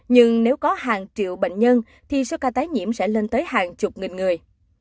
nhưng nếu có hàng triệu bệnh nhân thì số ca tái nhiễm sẽ lên tới hàng chục nghìn người